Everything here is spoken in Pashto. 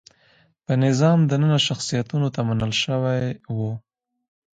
په نظام دننه شخصیتونو ته منل شوي وو.